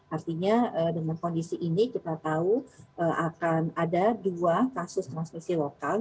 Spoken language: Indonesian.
artinya dengan kondisi ini kita tahu akan ada dua kasus transmisi lokal